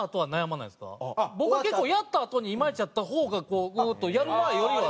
僕は結構やったあとにイマイチやった方がグーッとやる前よりは。